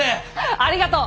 ありがとう！